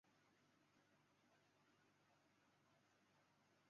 直属大总主教。